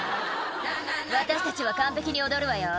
「私たちは完璧に踊るわよ」